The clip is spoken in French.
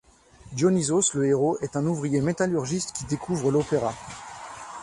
Dionysos, le héros est un ouvrier métallurgiste qui découvre l'opéra.